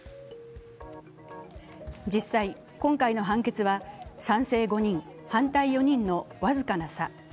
実際、今回の判決は、賛成５人、反対４人の僅かな差。